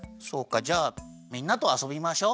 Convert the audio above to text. じゃあみんなとあそびましょう。